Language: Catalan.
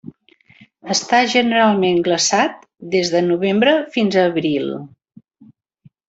Està generalment glaçat des de novembre fins a abril.